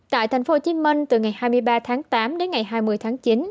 tại tp hcm từ ngày hai mươi ba tháng tám đến ngày hai mươi tháng chín